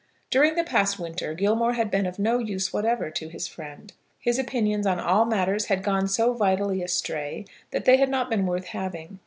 During the past winter Gilmore had been of no use whatever to his friend. His opinions on all matters had gone so vitally astray, that they had not been worth having.